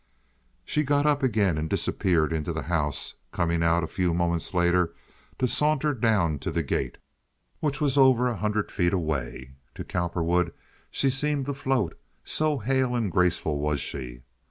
She got up again and disappeared into the house, coming out a few moments later to saunter down to the gate, which was over a hundred feet away. To Cowperwood she seemed to float, so hale and graceful was she.